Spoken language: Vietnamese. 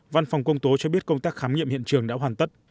văn phòng công tố cho biết công tác khám nghiệm hiện trường đã hoàn tất